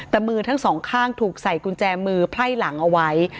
แต่มือทั้งสองข้างถูกใส่กุญแจมือไพ่หลังเอาไว้